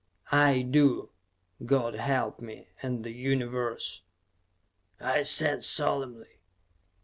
"I do God help me, and the Universe," I said solemnly.